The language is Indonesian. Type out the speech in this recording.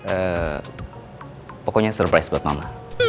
eee pokoknya surprise buat mama